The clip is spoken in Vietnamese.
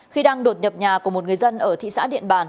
khi đang đột nhập nhà của một người dân ở thị xã điện bàn